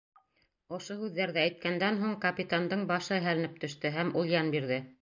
Ошо һүҙҙәрҙе әйткәндән һун, капитандың башы һәленеп төштө, һәм ул йән бирҙе.